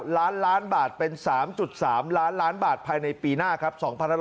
ล้านล้านบาทเป็น๓๓ล้านล้านบาทภายในปีหน้าครับ